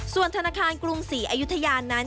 ส่วนธนาคารกรุงศรีอายุทยานั้น